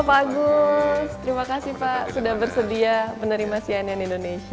pak agus terima kasih pak sudah bersedia menerima cnn indonesia